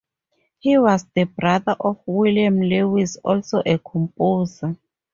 He was the brother of William Lawes, also a composer.